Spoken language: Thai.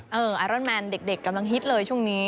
อืออออรอรอร่อนแมนเด็กกำลังฮิตเลยช่วงนี้